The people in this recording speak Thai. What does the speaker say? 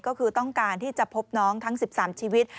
ก็คือต้องการที่จะพบน้องทั้ง๑๓ชีวิต